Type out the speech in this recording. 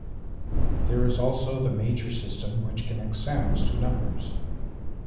There is also the Major system, which connects sounds to numbers.